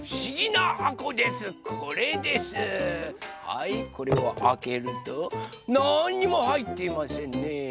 はいこれをあけるとなんにもはいっていませんね。